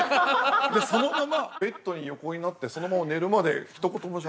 でそのままベッドに横になってそのまま寝るまでひと言もしゃべらない。